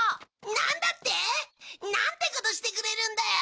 なんだって！？なんてことしてくれるんだよ。